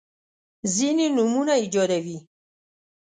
ځیني نومونه ایجادوي.